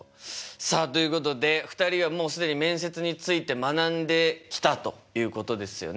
さあということで２人はもう既に面接について学んできたということですよね。